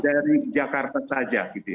dari jakarta saja